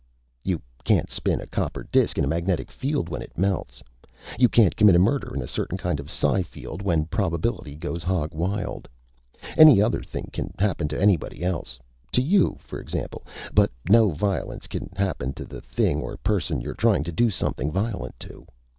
... You can't spin a copper disk in a magnetic field when it melts. You can't commit a murder in a certain kind of psi field when probability goes hog wild. Any other thing can happen to anybody else to you, for example but no violence can happen to the thing or person you're trying to do something violent to.